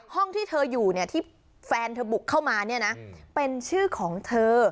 ห้องที่เธออยู่ที่แฟนเธอบุกเข้ามาเป็นชื่อของเธอ